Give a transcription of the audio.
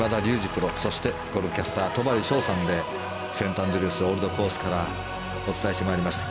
プロそして、ゴルフキャスター戸張捷さんでセントアンドリュース・オールドコースからお伝えしてまいりました。